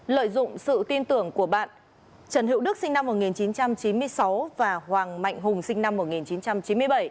lợi dụng sự tin tưởng của bạn trần hữu đức sinh năm một nghìn chín trăm chín mươi sáu và hoàng mạnh hùng sinh năm một nghìn chín trăm chín mươi bảy